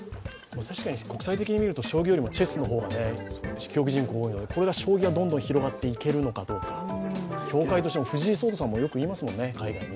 確かに国際的に見ると将棋よりもチェスの方が競技人口が多いので、これで将棋がどんどん広がっていけるのか協会としても、藤井聡太さんもよく言いますもんね。